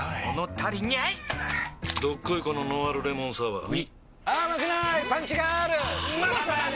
どっこいこのノンアルレモンサワーうぃまさに！